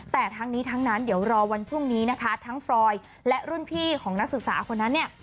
แต่ทั้งนี้ทั้งนั้นเดี๋ยวรอวันพรุ่งนี้นะคะทั้งฟรอยและรุ่นพี่ของนักศึกษาคนนั้นเนี่ย